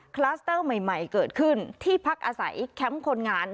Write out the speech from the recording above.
คลัสเตอร์ใหม่เกิดขึ้นที่พักอาศัยแคมป์คนงาน